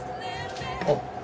あっ。